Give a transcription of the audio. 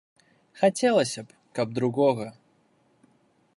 Хацелася б, каб другога.